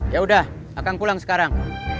yaudah a kang pulang sekarang